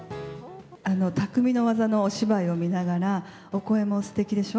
匠の技のお芝居を見ながら、お声もすてきでしょ。